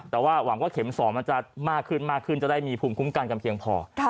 แต่ว่าหวังว่าเข็ม๒มันจะมากขึ้นมากขึ้นจะได้มีภูมิคุ้มกันเพียงพอ